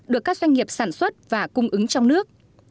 được các doanh nghiệp sản xuất và cung ứng trong nước